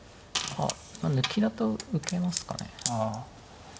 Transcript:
抜きだと受けますかね。